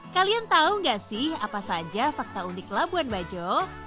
kalian tahu nggak sih apa saja fakta unik labuan bajo